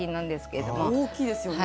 大きいですよね。